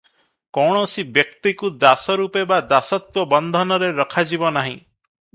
କୌଣସି ବ୍ୟକ୍ତିକୁ ଦାସ ରୂପେ ବା ଦାସତ୍ତ୍ୱ ବନ୍ଧନରେ ରଖାଯିବ ନାହିଁ ।